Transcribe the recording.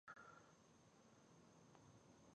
ازادي راډیو د سیاست په اړه پرله پسې خبرونه خپاره کړي.